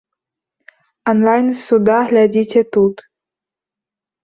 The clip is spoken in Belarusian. Анлайн з суда глядзіце тут.